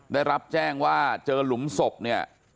ได้รับแจ้งว่าเจอหลุมศพเนี่ย